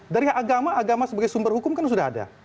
dari agama agama sebagai sumber hukum kan sudah ada